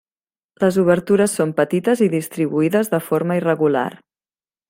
Les obertures són petites i distribuïdes de forma irregular.